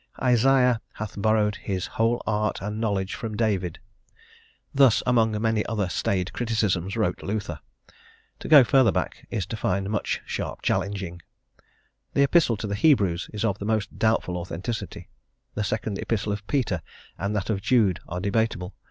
"Isaiah hath borrowed his whole art and knowledge from David." Thus, among many other staid criticisms, wrote Luther. To go further back, is to find much sharp challenging. The Epistle to the Hebrews is of most doubtful authenticity. The 2nd Epistle of Peter and that of Jude are debatable.